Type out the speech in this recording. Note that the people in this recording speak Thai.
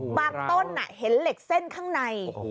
ต้นเห็นเหล็กเส้นข้างใน